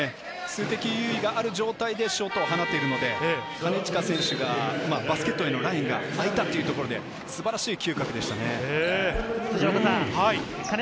数的優位がある状態でショットを放っているので、金近選手がバスケットのラインが空いたというところで、素晴らしい嗅覚でしたね。